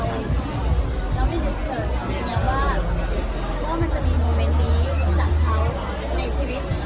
เราก็ไม่ได้เผินว่าว่ามันจะมีจากเขาในชีวิต